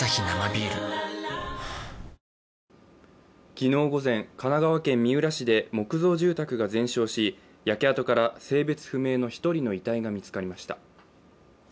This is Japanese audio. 昨日午前、神奈川県三浦市で木造住宅が全焼し、焼け跡から性別不明の１人の遺体が見つかりました。